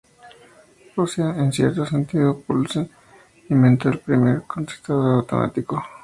O sea, en cierto sentido, Poulsen inventó el primer contestador automático.